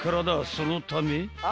そのため］